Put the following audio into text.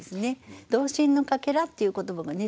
「童心の欠片」っていう言葉がね